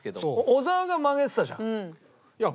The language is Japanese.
小澤が曲げてたじゃん。